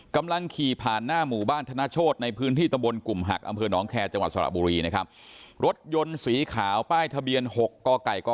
กำลังขี่ผ่านหน้าหมู่บ้านธนโชธในพื้นที่ตำบลกลุ่มหักอำเภอหนองแคร์จังหวัดสระบุรีนะครับรถยนต์สีขาวป้ายทะเบียนหกก